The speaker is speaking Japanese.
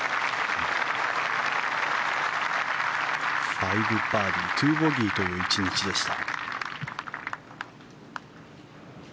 ５バーディー、２ボギーという１日でした。